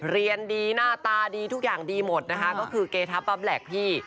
เรียนดีหน้าตาดีทุกอย่างดีหมดนะคะก็คือเกทับปั๊บแหลกพี่